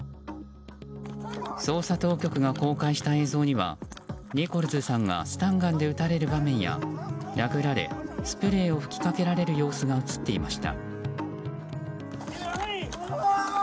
捜査当局が公開した映像にはニコルズさんがスタンガンで撃たれる場面や殴られスプレーを吹きかけられる様子が映っていました。